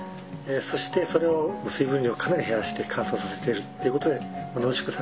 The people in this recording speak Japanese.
そしてそれを水分量をかなり減らして乾燥させてるってことで濃縮されますね。